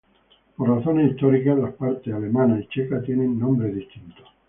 Por razones históricas, las partes alemana y checa tienen nombres distintos.